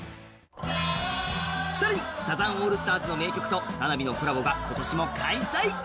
更に、サザンオールスターズの名曲と花火のコラボが今年も開催。